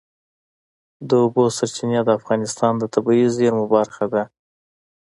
د اوبو سرچینې د افغانستان د طبیعي زیرمو برخه ده.